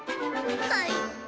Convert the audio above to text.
はい。